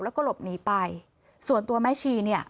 แล้วก็หลบหนีไปส่วนตัวแม่ชีเนี่ย